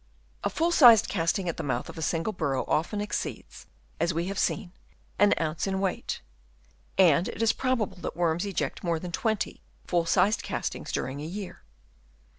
A full sized casting at the mouth of a single burrow often exceeds, as we have seen, an ounce in weight ; and it is probable that worms eject more than 20 full sized castings during a year.